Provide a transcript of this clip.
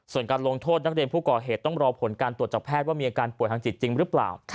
ส่วนการลงโทษนักเรียนผู้ก่อเหตุต้องรอผลการตรวจจากแพทย์ว่ามีอาการป่วยทางจิตจริงหรือเปล่า